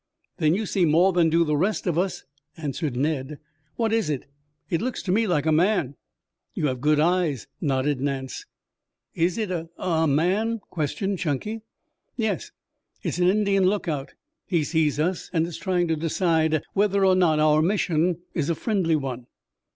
"Then you see more than do the rest of us," answered Ned. "What is it?" "It looks to me like a man." "You have good eyes," nodded Nance. "Is it a a man?" questioned Chunky. "Yes, it is an Indian lookout. He sees us and is trying to decide whether or not our mission is a friendly one."